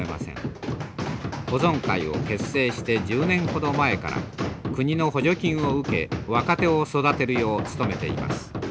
保存会を結成して１０年ほど前から国の補助金を受け若手を育てるよう努めています。